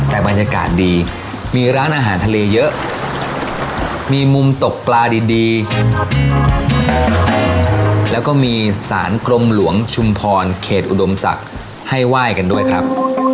แต่บรรยากาศดีมีร้านอาหารทะเลเยอะมีมุมตกปลาดีแล้วก็มีสารกรมหลวงชุมพรเขตอุดมศักดิ์ให้ไหว้กันด้วยครับ